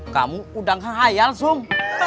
kamu udang khayal sung